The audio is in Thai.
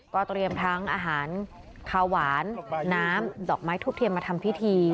เตรียมทั้งอาหารขาวหวานน้ำดอกไม้ทุบเทียมมาทำพิธี